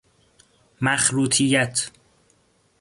مخروطیت